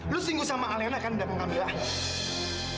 lo seinggu sama alena kan udah mengambil ahli